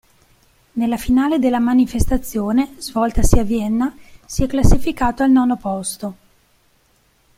Nella finale della manifestazione, svoltasi a Vienna, si è classificato al nono posto.